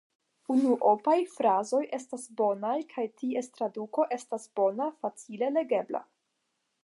Unuopaj frazoj estas bonaj, kaj ties traduko estas bona, facile legebla.